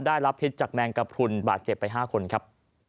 ได้รับพิษจากแมงกระพรุนบาดเจ็บไป๕คนครับ